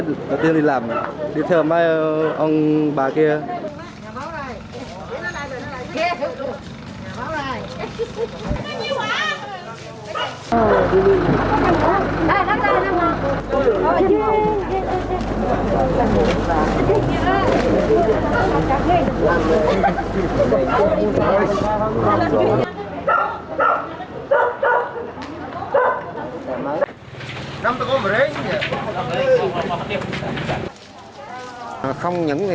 yêu bà con đi là mà cho thằng ta cùng ngồi